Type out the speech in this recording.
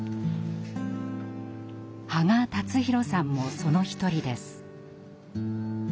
波賀達弘さんもその一人です。